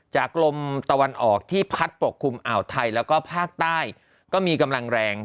ลมตะวันออกที่พัดปกคลุมอ่าวไทยแล้วก็ภาคใต้ก็มีกำลังแรง